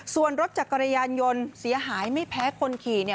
ส่วนรถจักรยานยนต์เสียหายไม่แพ้คนขี่